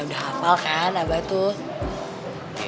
udah hafal kan abah tuh